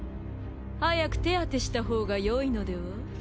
早く手当てしたほうがよいのでは？